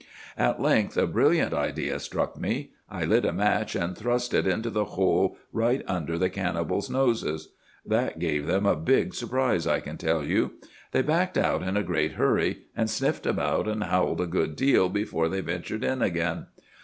"'At length a brilliant idea struck me. I lit a match, and thrust it into the hole right under the cannibals' noses. That gave them a big surprise, I can tell you. They backed out in a great hurry, and sniffed about and howled a good deal before they ventured in again.